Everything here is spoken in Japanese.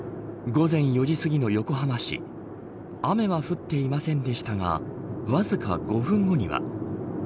午前４時すぎの横浜市雨は降っていませんでしたがわずか５分後には。